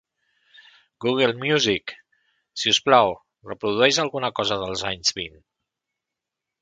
Google Music, si us plau, reprodueix alguna cosa dels anys vint